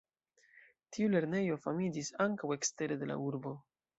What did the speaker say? Tiu lernejo famiĝis ankaŭ ekstere de la urbo.